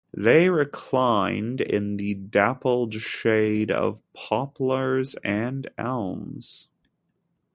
They reclined in the dappled shade of poplars and elms.